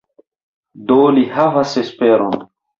Do li havas esperon.